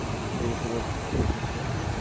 জিজ্ঞাসা করিতে কী দোষ আছে।